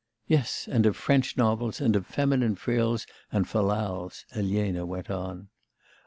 'Yes; and of French novels, and of feminine frills and fal lals,' Elena went on.